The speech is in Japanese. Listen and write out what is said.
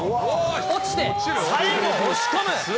落ちて、最後、押し込む。